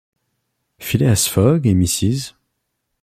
Phileas Fogg et Mrs.